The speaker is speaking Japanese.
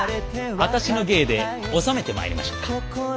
あたしの芸で収めてまいりましょうか？